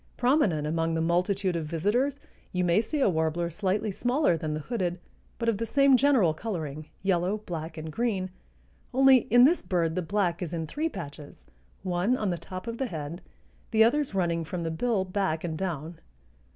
Prominent among the multitude of visitors you may see a warbler slightly smaller than the hooded but of the same general coloring, yellow, black and green, only in this bird the black is in three patches, one on the top of the head, the others running from the bill back and down.